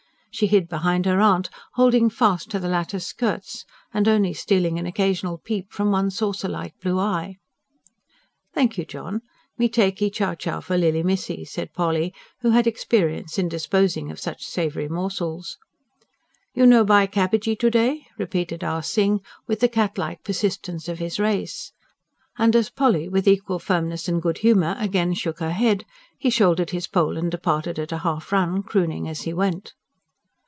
She hid behind her aunt, holding fast to the latter's skirts, and only stealing an occasional peep from one saucer like blue eye. "Thank you, John. Me takee chowchow for lilly missee," said Polly, who had experience in disposing of such savoury morsels. "You no buy cabbagee to day?" repeated Ah Sing, with the catlike persistence of his race. And as Polly, with equal firmness and good humour, again shook her head, he shouldered his pole and departed at a half run, crooning as he went.